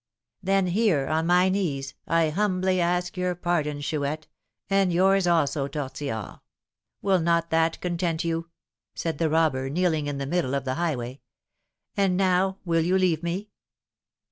"Then here, on my knees, I humbly ask your pardon, Chouette; and yours also, Tortillard! Will not that content you?" said the robber, kneeling in the middle of the highway. "And now will you leave me?"